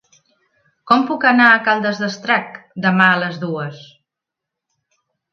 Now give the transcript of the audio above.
Com puc anar a Caldes d'Estrac demà a les dues?